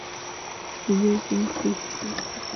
Миний хувьд энэ бүхэн их таалагдаж байна.